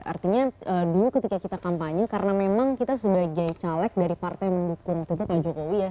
artinya dulu ketika kita kampanye karena memang kita sebagai caleg dari partai mendukung tentu pak jokowi ya